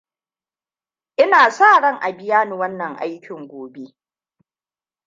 Ina sa ran a biya ni wannan aikin gobe.